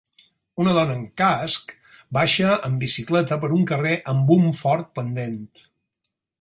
Una dona amb casc baixa amb bicicleta per un carrer amb un fort pendent.